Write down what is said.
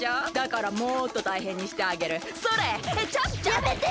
やめて！